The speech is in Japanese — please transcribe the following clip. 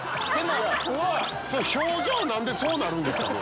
表情何でそうなるんですかね。